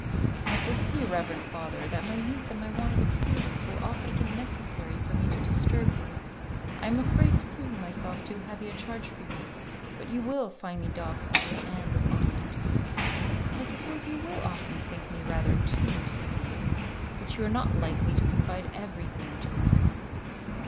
"I foresee, reverend father, that my youth and my want of experience will often make it necessary for me to disturb you. I am afraid of proving myself too heavy a charge for you, but you will find me docile and obedient." "I suppose you will often think me rather too severe; but you are not likely to confide everything to me."